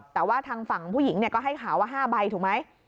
แต่ว่าทางฝั่งผู้หญิงก็ให้ข่าวว่า๕ใบถูกไหม